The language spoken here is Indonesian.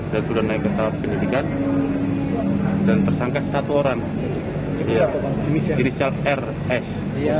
dan sudah naik ke tahap penyidikan dan tersangka satu orang dirisal rs